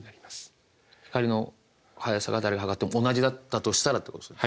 光の速さが誰が測っても同じだったとしたらってことですよね。